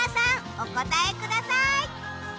お答えください。